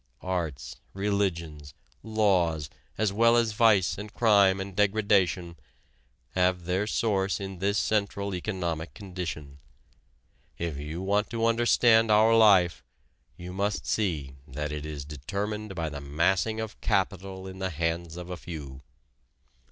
Arts, religions, laws, as well as vice and crime and degradation, have their source in this central economic condition. If you want to understand our life you must see that it is determined by the massing of capital in the hands of a few.